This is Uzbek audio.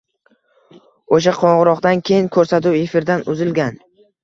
O‘sha qo‘ng‘iroqdan keyin ko‘rsatuv efirdan uzilgan